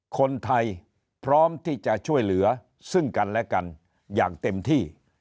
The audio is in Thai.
คนไทยพร้อมที่จะช่วยเหลือซึ่งกันและกันอย่างเต็มที่